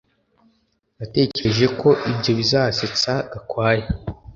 Natekereje ko ibyo bizasetsa Gakwaya